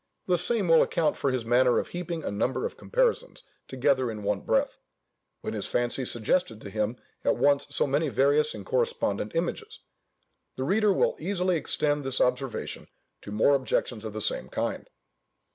The same will account for his manner of heaping a number of comparisons together in one breath, when his fancy suggested to him at once so many various and correspondent images. The reader will easily extend this observation to more objections of the same kind.